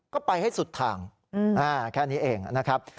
ก็ไปให้สุดทางแค่นี้เองนะครับ